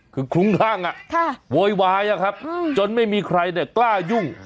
คือครุ่งทั่งอะโว้ยวายอะครับจนไม่มีใครกล้ายุ่ง